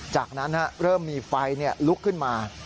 จากนั้นเริ่มมีไฟลุกขึ้นมา